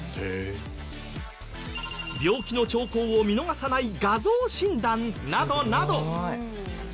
病気の兆候を見逃さない画像診断などなど。